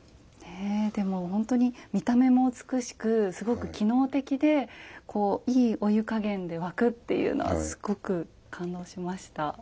でも本当に見た目も美しくすごく機能的でいいお湯加減で沸くっていうのはすごく感動しました。